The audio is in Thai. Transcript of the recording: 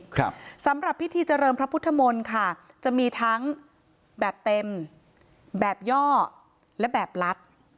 ครับสำหรับพิธีเจริญพระพุทธมนต์ค่ะจะมีทั้งแบบเต็มแบบย่อและแบบลัด